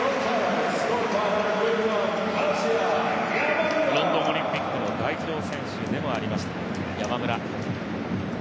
ロンドンオリンピックの代表選手でもありました、山村。